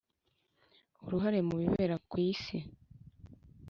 uruhare mu bibera ku isi